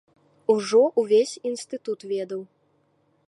Ужо увесь інстытут ведаў.